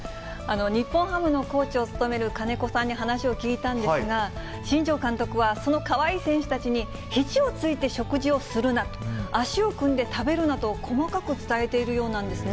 日本ハムのコーチを務めるかねこさんに話を聞いたんですが、新庄監督は、そのかわいい選手たちにひじをついて食事をするな、足を組んで食べるなと、細かく伝えているようなんですね。